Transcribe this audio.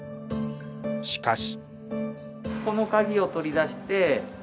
しかし。